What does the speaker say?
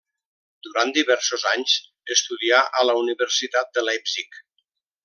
Durant diversos anys, estudià a la Universitat de Leipzig.